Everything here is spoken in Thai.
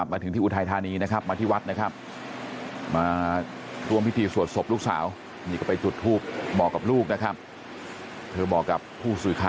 ช่วงเย็นที่ผ่านมาแม่ของน้องเอ